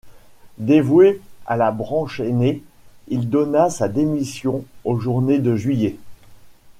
Dévoué à la branche aînée, il donna sa démission aux journées de juillet.